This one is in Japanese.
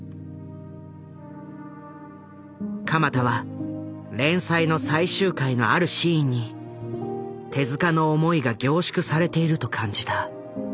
鎌田は連載の最終回のあるシーンに手の思いが凝縮されていると感じた。